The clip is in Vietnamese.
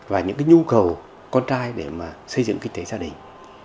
và những nhu cầu con trai để xây dựng kinh tế gia đình